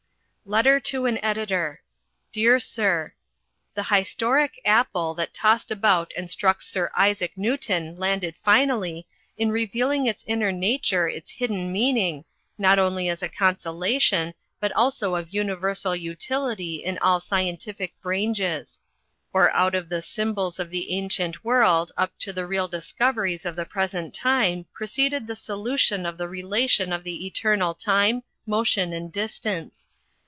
Letter to an editor: "Dear Sir : "The hystoric apple that tossed about and struck Sir Isaac Newton landed finally, in revealing its inner nature its hidden meaning, not only as a consolation but also of universal utility in all scientific branges: "Or out of the simbols of the ancient World, up to the real discoveries of the present time proceeded the solution of the relation of the Eternal time, motion, and distance.